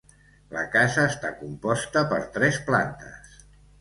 La casa està composta per tres plantes.